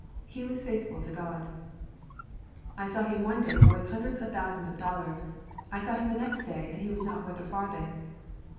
He was faithful to God. I saw him one day worth hundreds of thousands of dollars. I saw him the next day and he was not worth a farthing.